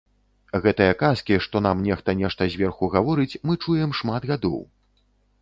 Гэтыя казкі, што нам нехта нешта зверху гаворыць, мы чуем шмат гадоў.